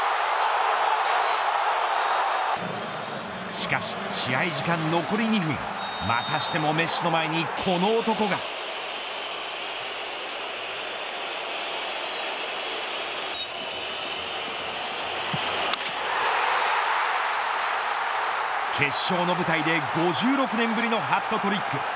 しかし試合時間残り２分またしてもメッシの前にこの男が決勝の舞台で５６年ぶりのハットトリック。